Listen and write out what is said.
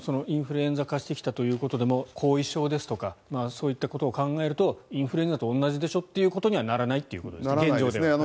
インフルエンザ化してきたということでも後遺症ですとかそういったことを考えるとインフルエンザと一緒でしょってことにはならないという。ならないですね。